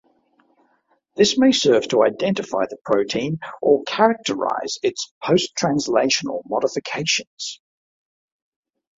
This may serve to identify the protein or characterize its post-translational modifications.